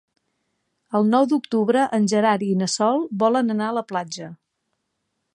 El nou d'octubre en Gerard i na Sol volen anar a la platja.